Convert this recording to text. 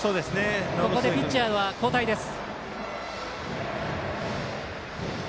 ここでピッチャーは交代です。